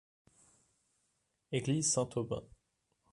Église Saint-Aubin.